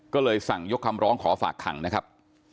ก็เลยสั่งยกคำร้องขอฝากขังนะครับ